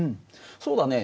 そうだね。